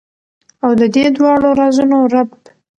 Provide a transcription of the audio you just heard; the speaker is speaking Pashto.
او ددې دواړو رازونو رب ،